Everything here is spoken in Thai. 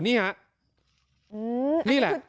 นี่ฮะนี่แหละ